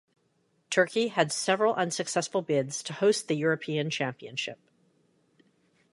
Turkey had several unsuccessful bids to host the European Championship.